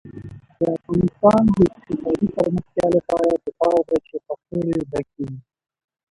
د افغانستان د اقتصادي پرمختګ لپاره پکار ده چې کڅوړې تکې وي.